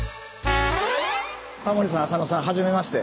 タモリさん浅野さんはじめまして。